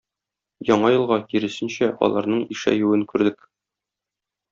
Яңа елга, киресенчә, аларның ишәюен күрдек.